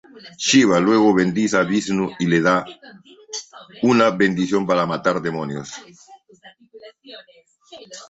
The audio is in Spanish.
Shiva luego bendice a Visnú y le da una bendición para matar demonios.